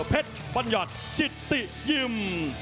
เพชรปัญหาจิตติยิ่ม